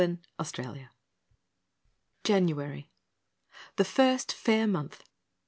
The Austral Months January The first fair month!